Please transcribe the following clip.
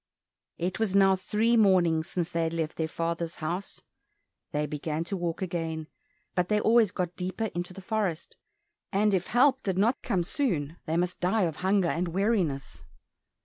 It was now three mornings since they had left their father's house. They began to walk again, but they always got deeper into the forest, and if help did not come soon, they must die of hunger and weariness.